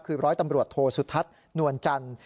คือร้อยตำรวจโทสุทัศน์นวลจันทร์